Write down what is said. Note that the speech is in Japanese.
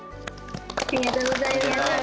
ありがとうございます。